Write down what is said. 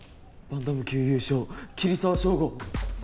「バンタム級優勝桐沢祥吾」えっ？